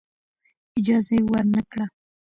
اجازه یې ورنه کړه.